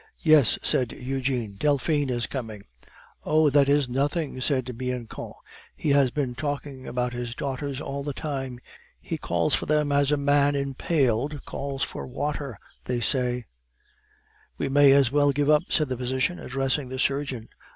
"Yes," said Eugene, "Delphine is coming." "Oh! that is nothing!" said Bianchon; "he has been talking about his daughters all the time. He calls for them as a man impaled calls for water, they say " "We may as well give up," said the physician, addressing the surgeon.